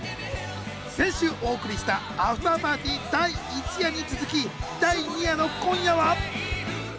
先週お送りしたアフターパーティー第１夜に続き第２夜の今夜は？